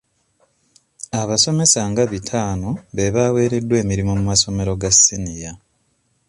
Abasomesa nga bitaano be baweereddwa emirimu mu masomero ga siniya.